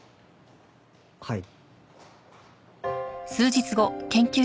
はい。